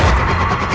ini pembawa laurie